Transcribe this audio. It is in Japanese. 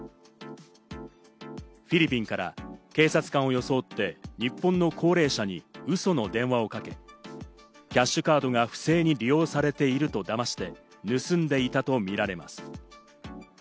フィリピンから警察官を装って日本の高齢者にウソの電話をかけ、キャッシュカードが不正に利用されているとだまして、盗んでいたとみられます。